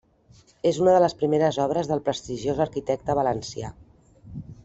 És una de les primeres obres del prestigiós arquitecte valencià.